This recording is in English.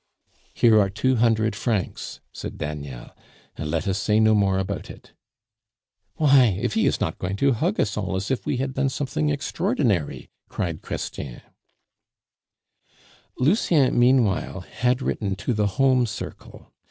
"Here are two hundred francs," said Daniel, "and let us say no more about it." "Why, if he is not going to hug us all as if we had done something extraordinary!" cried Chrestien. Lucien, meanwhile, had written to the home circle.